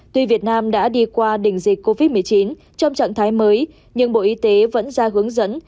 tuy việt nam đã đi qua đỉnh dịch covid một mươi chín trong trạng thái mới nhưng bộ y tế vẫn ra hướng dẫn